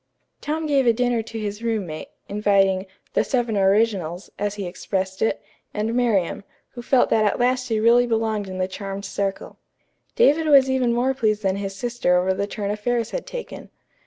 Tom gave a dinner to his roommate, inviting "the seven originals," as he expressed it, and Miriam, who felt that at last she really belonged in the charmed circle. David was even more pleased than his sister over the turn affairs had taken.